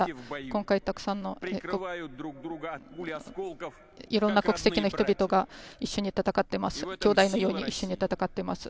今回、たくさんのいろいろな国籍の人々が一緒に戦っています、きょうだいのように一緒に戦っています。